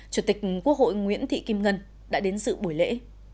chủ tịch quốc hội nguyễn thị kim ngân đã đến dự buổi lễ